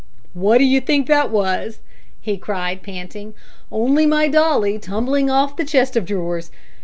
"What d'you think it was?" he cried, panting. "Only my Dolly tumbling off the chest of drawers.